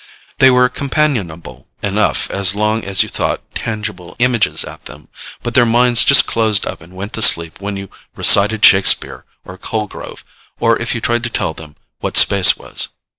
They were companionable enough as long as you thought tangible images at them, but their minds just closed up and went to sleep when you recited Shakespeare or Colegrove, or if you tried to tell them what space was.